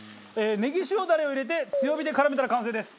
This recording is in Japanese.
ねぎ塩ダレを入れて強火で絡めたら完成です。